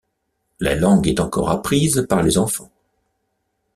La langue est encore apprise par les enfants.